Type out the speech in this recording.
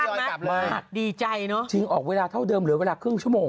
กลับมาดีใจเนอะจริงออกเวลาเท่าเดิมเหลือเวลาครึ่งชั่วโมง